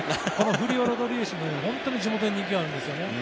フリオ・ロドリゲスは本当に地元で人気があるんですね。